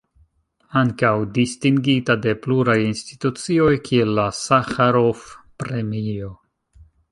Ankaŭ distingita de pluraj institucioj kiel la Saĥarov-Premio.